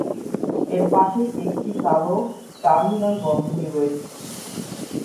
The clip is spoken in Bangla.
এর পাশেই একটি কালো টার্মিনাল বন্ধনী রয়েছে।